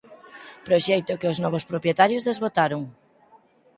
Proxecto que os novos propietarios desbotaron.